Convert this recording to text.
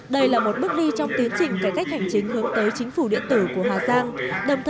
đây là một bước đi trong tiến trình cải cách hành chính hướng tới chính phủ điện tử của hà giang